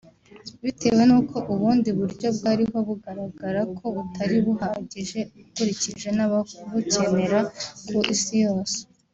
bitewe n’uko ubundi buryo bwariho bugaragara ko butari buhagije ukurikije n’ababukenera ku Isi yose